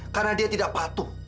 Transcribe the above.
karena dia tidak patuh